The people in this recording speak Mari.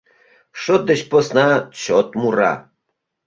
Шот деч посна чот мура.